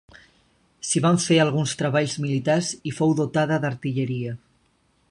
S'hi van fer alguns treballs militars i fou dotada d'artilleria.